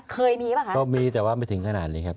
เคยมีหรือเปล่าคะครับมีแต่ว่าไม่ถึงขนาดนี้ครับ